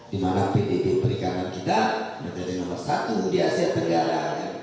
di mana pt perikanan kita menjadi nomor satu di asia tenggara